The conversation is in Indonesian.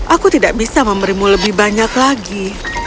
aku tidak bisa memberimu lebih banyak lagi